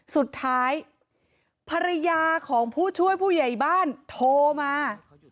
สุดท้ายภรรยาของผู้ช่วยผู้ใหญ่บ้านโทรมา